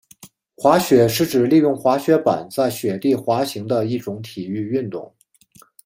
滑雪是指利用滑雪板在雪地滑行的一种体育运动。